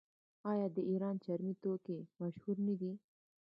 آیا د ایران چرمي توکي مشهور نه دي؟